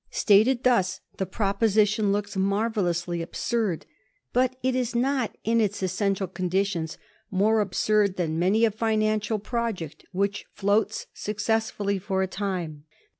Stated thus, the proposition looks marvellously absurd. But it is not, in its essential conditions, more absurd than many a financial pro ject which floats successfully for a time.